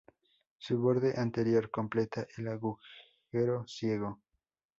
Su borde anterior completa el agujero ciego.